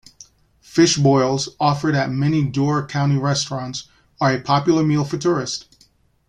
Fish boils, offered at many Door County restaurants, are a popular meal for tourists.